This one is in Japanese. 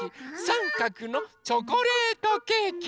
さんかくのチョコレートケーキ。